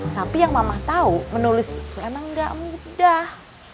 tapi yang mama tahu menulis itu emang gak mudah